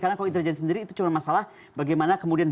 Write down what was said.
karena kalau intelijen sendiri itu cuma masalah bagaimana kemudian